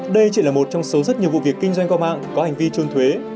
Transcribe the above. đây chỉ là một trong số rất nhiều vụ việc kinh doanh qua mạng có hành vi trôn thuế